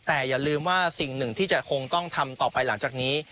แต่อย่าลืมว่าสิ่งหนึ่งที่จะคงต้องทำต่อไปหลังจากนี้